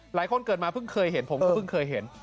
เกิดมาเพิ่งเคยเห็นผมก็เพิ่งเคยเห็น